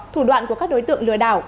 thủ đoạn của các đối tượng lừa đảo